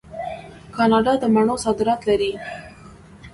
کاناډا د مڼو صادرات لري.